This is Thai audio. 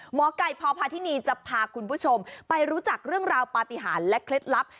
หมอไก่พพาธินีจะพาคุณผู้ชมไปรู้จักเรื่องราวปฏิหารและเคล็ดลับ